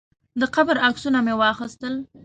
د قبر عکسونه مې واخیستل.